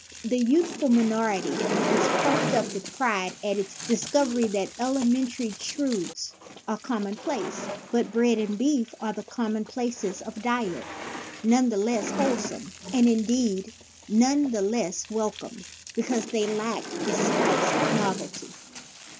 The youth ful minority is puffed up with pride at its discovery that elementary truths are common place. But bread and beef are the common places of diet, none the less wholesome, and in deed none the less welcome, because they lack the spice of novelty.